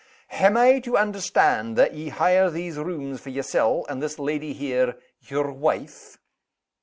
Am I to understand that ye hire these rooms for yersel', and this leddy here yer wife?"